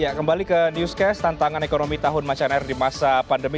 ya kembali ke newscast tantangan ekonomi tahun macan air di masa pandemi